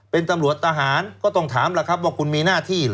เป็นตำรวจตาหารก็ต้องถามว่าคุณมีหน้าที่เหรอ